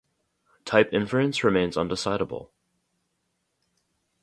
Type inference remains undecidable.